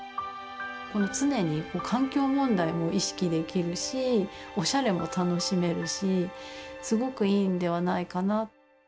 常に環境問題も意識できるし、おしゃれも楽しめるし、すごくいいんではないかな。